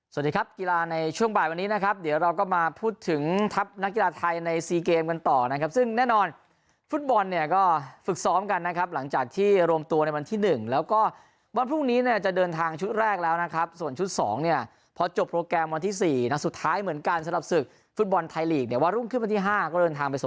สวัสดีครับกีฬาในช่วงบ่ายวันนี้นะครับเดี๋ยวเราก็มาพูดถึงทัพนักกีฬาไทยในซีเกมกันต่อนะครับซึ่งแน่นอนฟุตบอลเนี่ยก็ฝึกซ้อมกันนะครับหลังจากที่รวมตัวในวันที่หนึ่งแล้วก็วันพรุ่งนี้เนี่ยจะเดินทางชุดแรกแล้วนะครับส่วนชุดสองเนี่ยพอจบโปรแกรมวันที่สี่นะสุดท้ายเหมือนกันส